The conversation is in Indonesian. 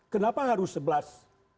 kenapa harus sebelas